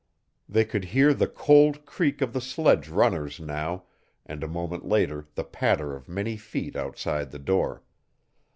They could hear the cold creak of the sledge runners now, and a moment later the patter of many feet outside the door.